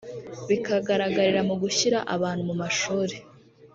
bikagaragarira mu gushyira abantu mu mashuri